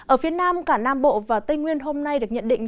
ở phía nam cả nam bộ và tây nguyên hôm nay được nhận định